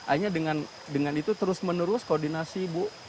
akhirnya dengan itu terus menerus koordinasi bu